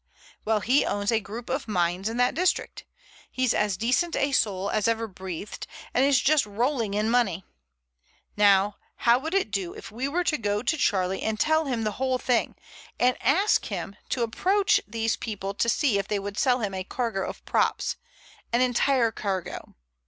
Well, he owns a group of mines in that district. He's as decent a soul as ever breathed, and is just rolling in money. Now,—how would it do if we were to go to Charlie and tell him the whole thing, and ask him to approach these people to see if they would sell him a cargo of props—an entire cargo.